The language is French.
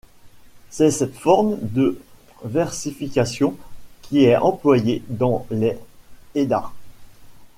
C'est cette forme de versification qui est employée dans les Eddas.